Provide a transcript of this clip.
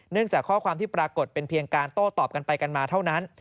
จากข้อความที่ปรากฏเป็นเพียงการโต้ตอบกันไปกันมาเท่านั้น